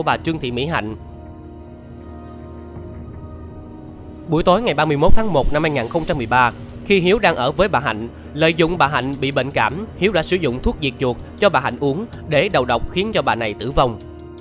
buổi tối ngày ba mươi một tháng một năm hai nghìn một mươi ba khi hiếu đang ở với bà hạnh lợi dụng bà hạnh bị bệnh cảm hiếu đã sử dụng thuốc diệt chuột cho bà hạnh uống để đầu độc khiến cho bà này tử vong